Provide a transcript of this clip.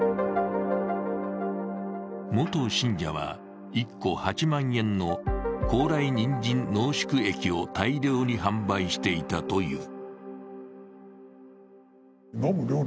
元信者は１個８万円の高麗人参濃縮駅を大量に販売していたという。